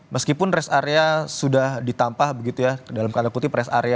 meskipun rest area sudah ditambah begitu ya dalam tanda kutip rest area